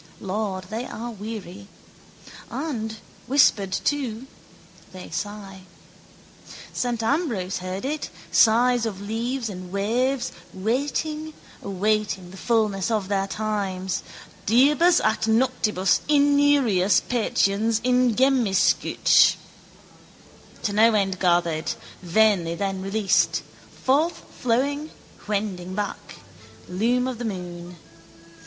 Lord, they are weary; and, whispered to, they sigh. Saint Ambrose heard it, sigh of leaves and waves, waiting, awaiting the fullness of their times, diebus ac noctibus iniurias patiens ingemiscit. To no end gathered; vainly then released, forthflowing, wending back: loom of the moon.